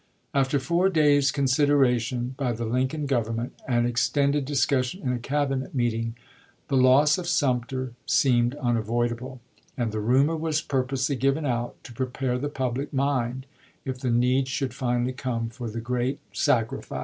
After four days' consideration by the Lincoln Government, and ex tended discussion in a Cabinet meeting, the loss of Sumter seemed unavoidable ; and the rumor was purposely given out to prepare the public mind, if the need should finally come for the great sacrifice.